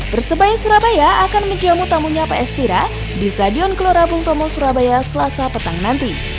persebaya surabaya akan menjamu tamunya ps tira di stadion gelora bung tomo surabaya selasa petang nanti